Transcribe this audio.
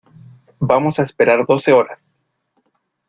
vamos a esperar doce horas.